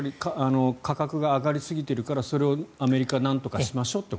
価格が上がりすぎているからそれをアメリカはなんとかしましょうと。